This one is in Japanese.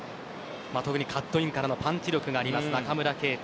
カットインからのパンチ力があります、中村敬斗。